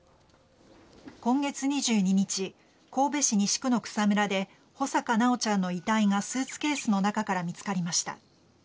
今月２２日神戸市西区の草むらで穂坂修ちゃんの遺体がスーツケースの中から見つかりました。